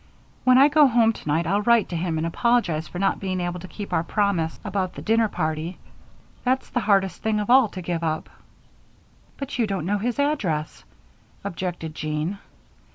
When I go home tonight I'll write to him and apologize for not being able to keep our promise about the dinner party. That's the hardest thing of all to give up." "But you don't know his address," objected Jean.